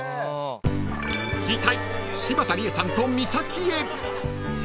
［次回］